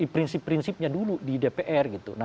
prinsip prinsipnya dulu di dpr gitu